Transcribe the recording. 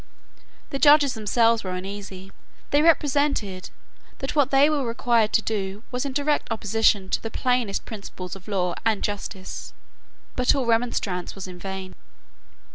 The Judges themselves were uneasy. They represented that what they were required to do was in direct opposition to the plainest principles of law and justice: but all remonstrance was vain.